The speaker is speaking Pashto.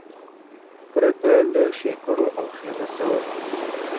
پرته له ښېګړو او خیر رسونې.